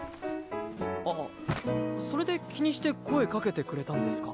あっそれで気にして声かけてくれたんですか？